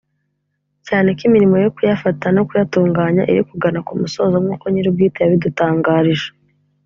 cyane ko imirimo yo kuyafata no kuyatunganya iri kugana ku musozo nkuko nyiri ubwite yabidutangarije